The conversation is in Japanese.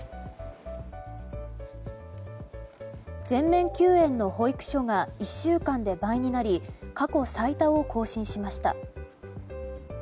全面休園の保育所が１週間で倍になり過去最多を更新しました。